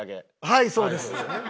はいそうです。